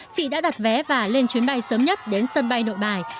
chị đã đặt vé và lên chuyến bay sớm nhất đến sân bay nội bài